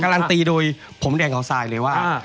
การันตีโดยผมแดงของสายเลยว่า